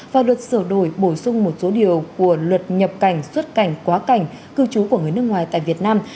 và luật sửa đổi bổ sung một số điều của luật nhập cảnh xuất cảnh quá cảnh cư trú của người nước ngoài tại việt nam